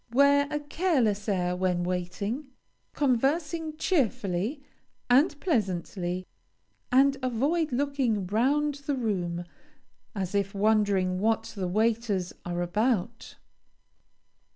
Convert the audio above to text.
Wear a careless air when waiting, conversing cheerfully and pleasantly, and avoid looking round the room, as if wondering what the waiters are about.